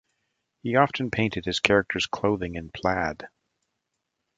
He often painted his character's clothing in plaid.